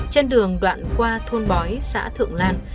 trên đường đoạn qua thôn bói xã thượng lan